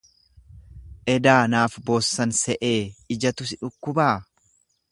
Edaa naaf boossan se'ee ijatu si dhukkubaa.